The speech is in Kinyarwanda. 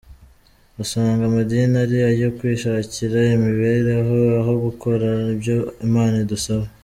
Usanga amadini ari ayo kwishakira imibereho, aho gukora ibyo imana idusaba.